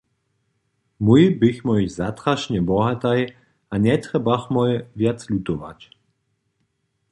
Mój běchmoj zatrašnje bohataj a njetrjebachmoj wjac lutować.